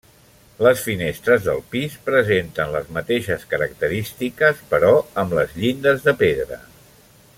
Les finestres del pis presenten les mateixes característiques, però amb les llindes de pedra.